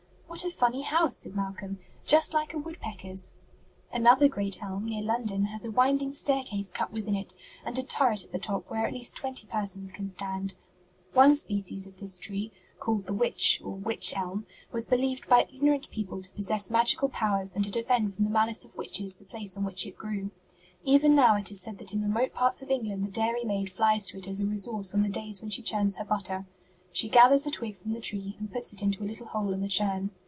"What a funny house!" said Malcolm. "Just like a woodpecker's." "Another great elm, near London, has a winding staircase cut within it, and a turret at the top where at least twenty persons can stand. One species of this tree, called the _wych _, or _witch _, elm, was believed by ignorant people to possess magical powers and to defend from the malice of witches the place on which it grew. Even now it is said that in remote parts of England the dairymaid flies to it as a resource on the days when she churns her butter. She gathers a twig from the tree and puts it into a little hole in the churn.